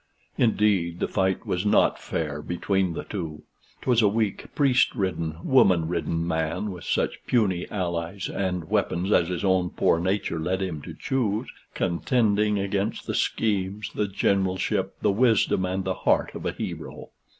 Indeed, the fight was not fair between the two. 'Twas a weak, priest ridden, woman ridden man, with such puny allies and weapons as his own poor nature led him to choose, contending against the schemes, the generalship, the wisdom, and the heart of a hero.